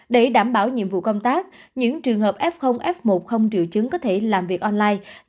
để đảm bảo nhiệm vụ công tác những trường hợp f f một không triệu chứng có thể làm việc online